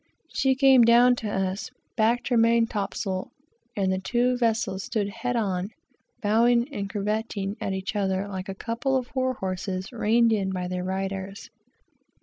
She came down to us, backed her main top sail, and the two vessels stood "head on," bowing and curvetting at each other like a couple of war horses reined in by their riders.